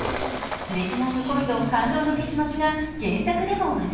すれ違いの恋と感動の結末が原作でも話題。